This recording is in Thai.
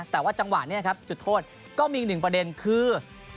แต่ว่าจังหวะนี้ครับจุดโทษก็มีอีกหนึ่งประเด็นคือ